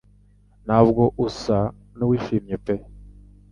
Ntabwo usa n'uwishimye pe